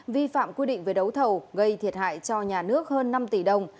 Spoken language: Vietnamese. vi phạm quy định về đấu thầu gây thiệt hại cho nhà nước hơn năm tỷ đồng